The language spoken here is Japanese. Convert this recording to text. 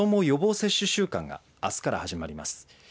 予防接種週間があすから始まります。